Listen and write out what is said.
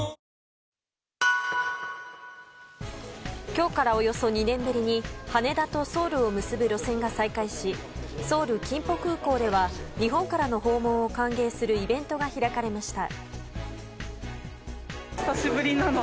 今日からおよそ２年ぶりに羽田とソウルを結ぶ路線が再開しソウル・キンポ空港では日本からの訪問を歓迎するイベントが開かれました。